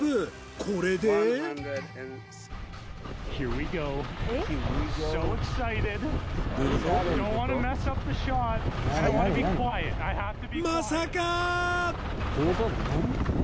これでまさか！